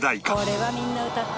「これはみんな歌った」